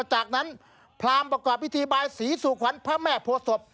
จากนั้นพรามประกอบพิธีบายศรีสู่ขวัญพระแม่โพศพ